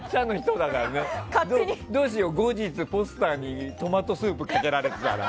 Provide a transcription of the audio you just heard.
どうしよう、後日ポスターにトマトスープかけられてたら。